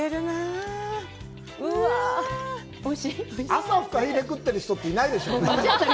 朝、フカヒレ食ってる人って、いないでしょうね。